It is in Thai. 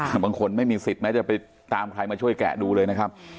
แต่บางคนไม่มีสิทธิ์แม้จะไปตามใครมาช่วยแกะดูเลยนะครับ